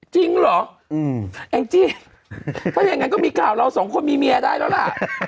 จริงเหรอแองจี้ถ้าอย่างนั้นก็มีข่าวเราสองคนมีเมียได้แล้วล่ะ